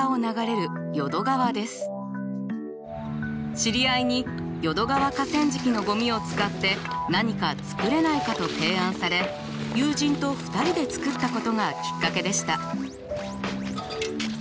知り合いに淀川河川敷のゴミを使って何か作れないかと提案され友人と２人で作ったことがきっかけでした。